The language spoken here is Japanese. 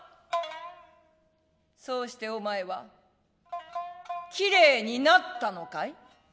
「そうしておまえはきれいになったのかい？」。